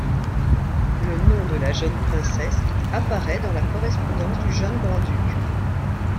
Le nom de la jeune princesse apparaît dans la correspondance du jeune grand-duc.